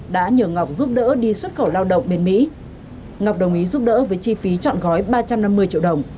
đã nhờ ngọc giúp đỡ đi xuất khẩu lao động bên mỹ ngọc đồng ý giúp đỡ với chi phí chọn gói ba trăm năm mươi triệu đồng